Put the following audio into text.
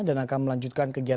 dan akan melanjutkan kegiatan